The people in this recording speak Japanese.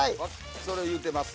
それを言うてます。